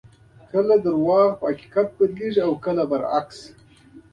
کله درواغ په حقیقت بدلېږي او کله بیا برعکس.